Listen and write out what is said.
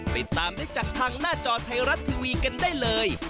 ติดตามได้จากทางหน้าจอไทยรัฐทีวีกันได้เลย